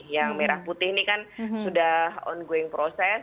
yang merah putih ini kan sudah ongoing proses